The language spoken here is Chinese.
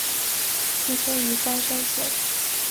出身于冈山县。